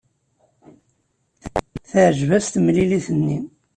Teɛjeb-as temlilit-nni.